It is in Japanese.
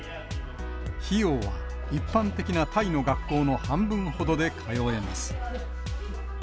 費用は、一般的なタイの学校の半分ほどで通えます。